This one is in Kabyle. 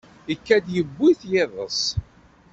Ikad-d yewwi-t yiḍes.